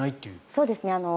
そうですね。